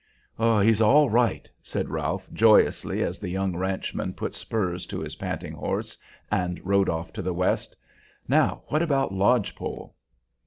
"He's all right!" said Ralph, joyously, as the young ranchman put spurs to his panting horse and rode off to the west. "Now, what about Lodge Pole?"